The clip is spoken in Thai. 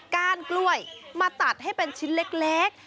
ก้านกล้วยมาตัดให้เป็นชิ้นเล็ก